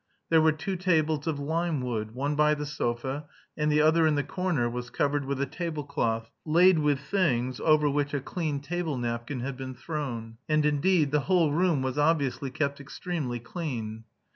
There were two tables of limewood; one by the sofa, and the other in the corner was covered with a table cloth, laid with things over which a clean table napkin had been thrown. And, indeed, the whole room was obviously kept extremely clean.